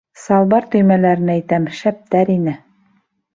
— Салбар төймәләрен әйтәм, шәптәр ине.